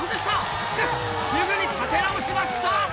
しかしすぐに立て直しました！